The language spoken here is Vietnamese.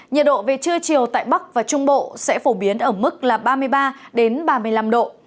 nhiệt độ về trưa chiều tại bắc và trung bộ sẽ phổ biến ở mức là ba mươi ba ba mươi năm độ